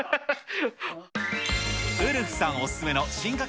ウルフさんお勧めの進化系